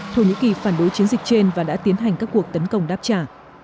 thổ nhĩ kỳ phản đối chiến dịch trên và đã tiến hành các cuộc tấn công đáp trả